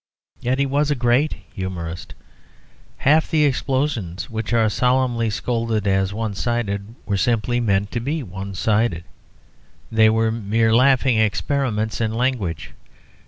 Yet he was a great humourist: half the explosions which are solemnly scolded as "one sided" were simply meant to be one sided, were mere laughing experiments in language.